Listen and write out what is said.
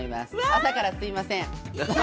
朝からすみません。